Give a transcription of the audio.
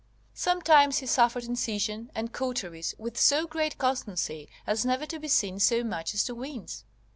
Sometimes he suffered incision and cauteries with so great constancy as never to be seen so much as to wince.